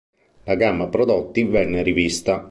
La gamma prodotti venne rivista.